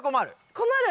困る。